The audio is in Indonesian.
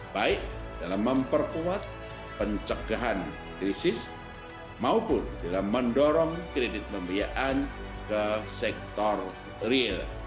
baik dalam memperkuat pencegahan krisis maupun dalam mendorong kredit pembiayaan ke sektor real